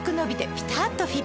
ピタっとフィット！